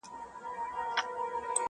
څه عاشقانه څه مستانه څه رندانه غزل،